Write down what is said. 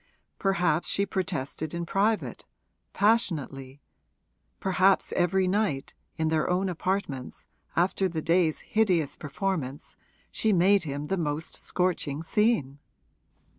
Perhaps she protested in private, passionately; perhaps every night, in their own apartments, after the day's hideous performance, she made him the most scorching scene.